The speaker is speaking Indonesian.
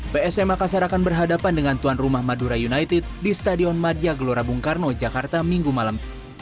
psm makassar akan berhadapan dengan tuan rumah madura united di stadion madia gelora bung karno jakarta minggu malam